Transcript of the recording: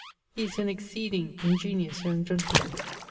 He is an exceeding ingeniose young gentleman.